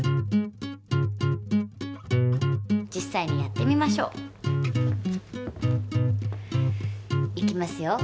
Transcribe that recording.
実さいにやってみましょう。いきますよ。